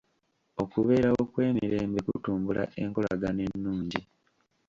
Okubeerawo kw'emirembe kutumbula enkolagana ennungi.